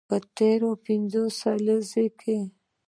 په تیرو پنځو لسیزو کې